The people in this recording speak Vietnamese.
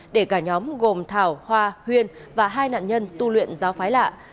để cả nhóm gồm thảo hoa huyên và hai nạn nhân tu luyện giáo phái lạ